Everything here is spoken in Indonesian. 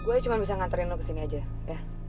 buat gua cuma bisa nganterin lo ke sini aja ya